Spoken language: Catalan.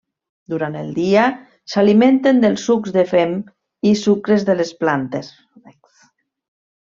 Durant el dia, s'alimenten dels sucs de fem i sucres de les plantes.